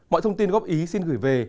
mọi thông tin góp ý xin gửi về